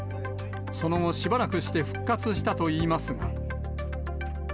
その後、しばらくして復活したといいますが。